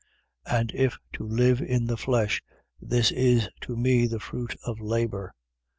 1:22. And if to live in the flesh: this is to me the fruit of labour.